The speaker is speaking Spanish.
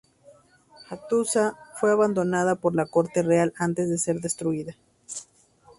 Hattusa fue abandonada por la corte real antes de ser destruida.